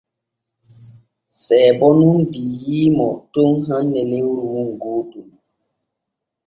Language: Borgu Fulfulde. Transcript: Seebo nun diiyiimo ton hanne lewru muuɗum gootol.